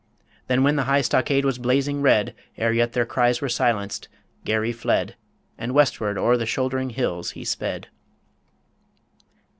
Then when the high stockade was blazing red, Ere yet their cries were silenced, Garry fled, And westward o'er the shouldering hills he sped.